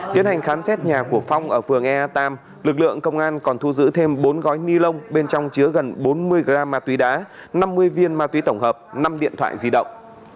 tiến hành khám xét nhà của phong ở phường ea tam lực lượng công an còn thu giữ thêm bốn gói ni lông bên trong chứa gần bốn mươi g ma túy đá năm mươi viên ma túy tổng hợp năm điện thoại di động